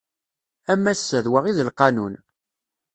A massa d wa i d lqanun.